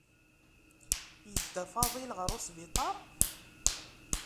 Yedda Faḍil ɣer usbiṭar?